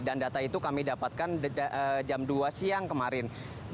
data itu kami dapatkan jam dua siang kemarin